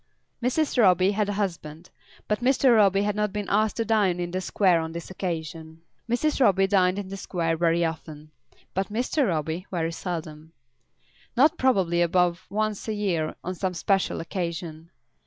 Mrs. Roby had a husband, but Mr. Roby had not been asked to dine in the Square on this occasion. Mrs. Roby dined in the Square very often, but Mr. Roby very seldom, not probably above once a year, on some special occasion.